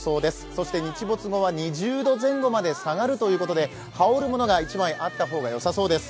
そして日没後は２０度前後まで下がるということで、羽織るものが１枚あった方がよさそうです。